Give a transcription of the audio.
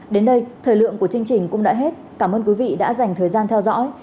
đến đây thời lượng của chương trình cũng đã hết cảm ơn quý vị đã dành thời gian theo dõi